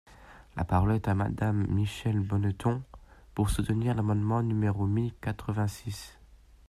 La parole est à Madame Michèle Bonneton, pour soutenir l’amendement numéro mille quatre-vingt-six.